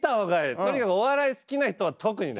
とにかくお笑い好きな人は特にね。